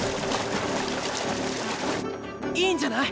いいんじゃない？